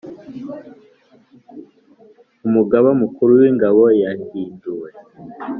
Umugaba Mukuru wingabo yahinduwe